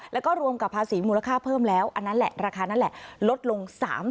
แล้วก็รวมกับภาษีมูลค่าเพิ่มแล้วภาษณ์นั้นลดลง๓๐